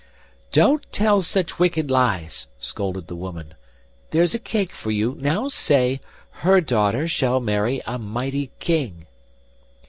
'Don't tell such wicked lies!' scolded the woman. 'There's a cake for you; now say: "HER daughter shall marry a mighty King."